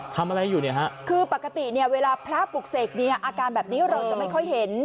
ทำอะไรอยู่เนี่ยฮะคือปกติเนี่ยเวลาพระปลุกเสกเนี่ยอาการแบบนี้เราจะไม่ค่อยเห็น